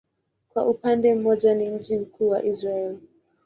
Kwa upande mmoja ni mji mkuu wa Israel.